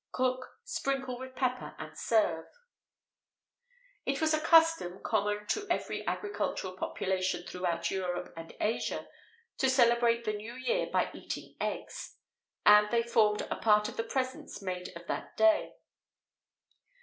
Cook, sprinkle with pepper, and serve.[XVIII 87] It was a custom, common to every agricultural population throughout Europe and Asia, to celebrate the new year by eating eggs; and they formed a part of the presents made on that day.